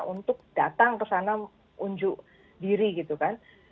untuk datang kesana unjuk diri gitu kan